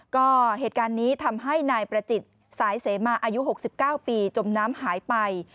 ก็เหตุการณ์นี้ทำให้นายประจิตสายเสมาอายุ๖๙ปีจมน้ำหายไป